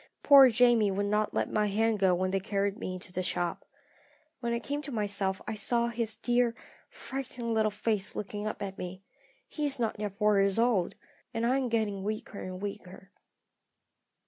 Poor Jamie would not let my hand go when they carried me into a shop. When I came to myself I saw his dear, frightened little face looking up at me. He is not yet four years old and I am getting weaker and weaker.